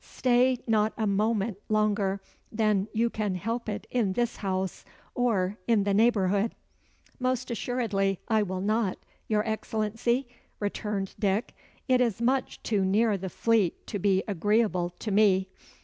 Stay not a moment longer than you can help it in this house, or in the neighbourhood." "Most assuredly I will not, your Excellency," returned Dick. "It is much too near the Fleet to be agreeable to me.